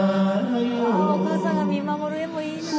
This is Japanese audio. お母さんが見守る画もいいなあ。